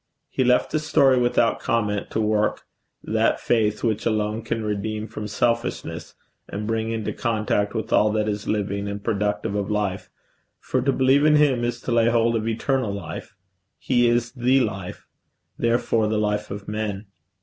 He left the story without comment to work that faith which alone can redeem from selfishness and bring into contact with all that is living and productive of life, for to believe in him is to lay hold of eternal life: he is the Life therefore the life of men.